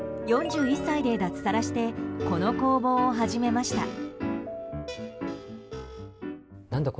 ４１歳で脱サラしてこの工房を始めました。